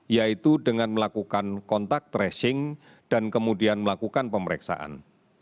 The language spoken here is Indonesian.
yaitu dengan melakukan kontak tracing dan kemudian melakukan pemeriksaan